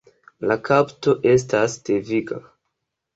La kapto estas deviga.